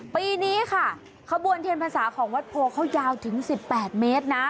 ปีนี้ค่ะขบวนเทียนพรรษาของวัดโพเขายาวถึง๑๘เมตรนะ